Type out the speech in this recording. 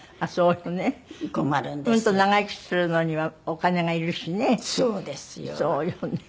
うんと長生きするのにはお金がいるしね。